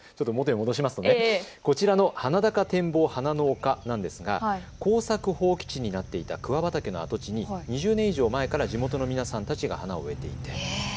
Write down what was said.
こちらの鼻高展望花の丘ですが耕作放棄地となっていた桑畑の跡地に２０年以上前から地元の人たちが花を植えている。